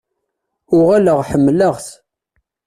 Uɣaleɣ ḥemmleɣ-t.